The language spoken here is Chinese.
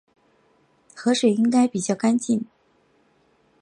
河水应该比较干净